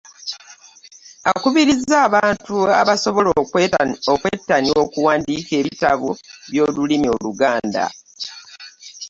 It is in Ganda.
Akubirizza abantu abasobol okwettanira okuwandiika ebitabo by'olulimi oluganda.